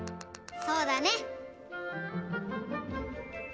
そうだね！